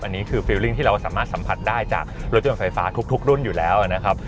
อันนี้คือฟิลลิ่งที่เราสามารถสัมผัสได้จากรถยนต์ไฟฟ้าทุกรุ่นอยู่แล้วนะครับ